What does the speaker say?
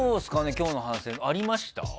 今日の反省ありました？